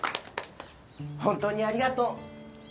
本当にありがとう。